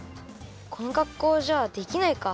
このかっこうじゃできないか。